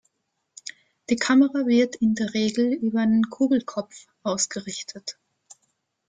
Die Kamera wird in der Regel über einen Kugelkopf ausgerichtet.